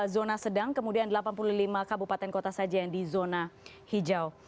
zona sedang kemudian delapan puluh lima kabupaten kota saja yang di zona hijau